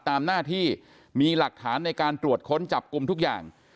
ตามหน้าที่มีหลักฐานในการตรวจค้นจับกลุ่มทุกอย่าง